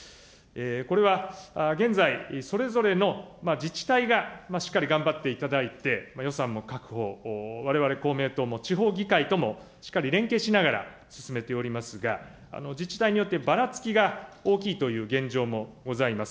これは現在、それぞれの自治体がしっかり頑張っていただいて、予算も確保、われわれ公明党も地方議会ともしっかり連携しながら進めておりますが、自治体によってばらつきが大きいという現状もございます。